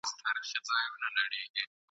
وړي لمبه پر سر چي شپه روښانه کړي ..